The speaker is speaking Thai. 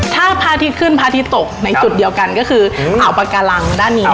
ถ้าพาทิศขึ้นพาทิศตกในจุดเดียวกันก็คืออ่าวปากกาลังด้านนี้ค่ะ